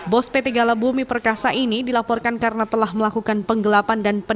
bos pt galabumi perkasa ini dilaporkan karena telah melakukan penggelapan dan peneliti